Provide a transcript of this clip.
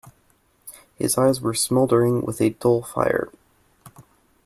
His eyes were smouldering with a dull fire.